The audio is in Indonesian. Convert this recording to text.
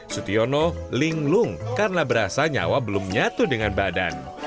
sutiono linglung karena berasa nyawa belum nyatu dengan badan